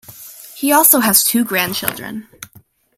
He also has two grandchildren.